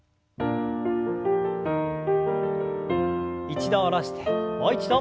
一度下ろしてもう一度。